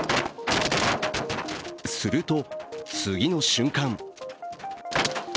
ずくと、次の瞬間